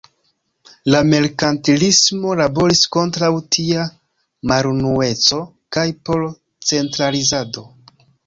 La merkantilismo laboris kontraŭ tia malunueco kaj por centralizado.